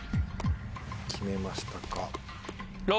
決めましたか。